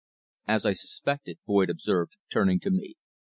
"As I suspected," Boyd observed, turning to me.